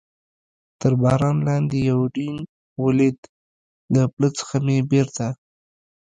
تر باران لاندې یوډین ولید، له پله څخه مې بېرته.